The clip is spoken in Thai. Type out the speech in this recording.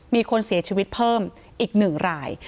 มีคนเสียชีวิตเพิ่มอีก๑ราย